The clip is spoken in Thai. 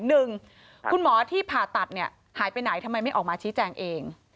หนึ่งคุณหมอที่ผ่าตัดเนี่ยหายไปไหนทำไมไม่ออกมาชี้แจงเอง